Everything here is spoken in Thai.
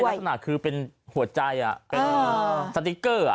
กดให้ลักษณะคือเป็นหัวใจสติ๊กเกอร์